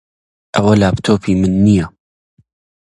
ئەوە لاپتۆپی من نییە.